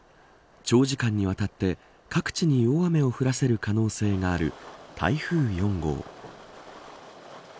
長時間にわたって各地に大雨を降らせる可能性がある台風４号。